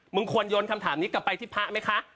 ควรโยนคำถามนี้กลับไปที่พระไหมคะ